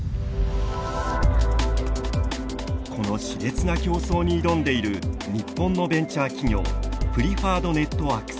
このしれつな競争に挑んでいる日本のベンチャー企業プリファードネットワークス。